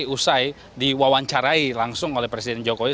yang akan diusai diwawancarai langsung oleh presiden jokowi